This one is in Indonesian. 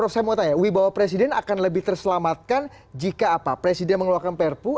saya mau tanya wibawa presiden akan lebih terselamatkan jika apa presiden mengeluarkan perpu